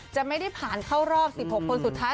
จะไม่ได้ผ่านเข้ารอบ๑๖คนสุดท้าย